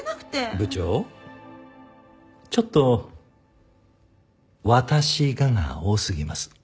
部長ちょっと「私が」が多すぎます。